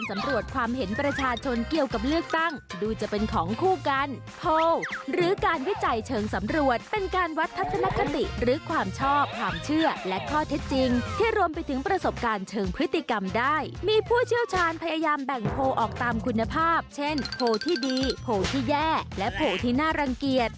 มีผู้เชี่ยวชาญพยายามแบ่งโพลออกตามคุณภาพเช่นโพลที่ดีโพลที่แย่และโพลที่น่ารังเกียจ